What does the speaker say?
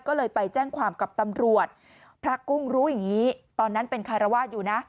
ก็เลยไปแจ้งความกับตำรวจพระกุ้งรู้อย่างนี้ตอนนั้นเป็นคารวาสอยู่นะ